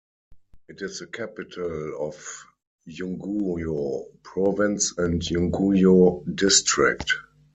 It is the capital of Yunguyo Province and Yunguyo District.